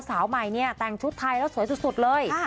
สาวใหม่แต่งทุษธิ์ไทยแล้วสวยสุดเลย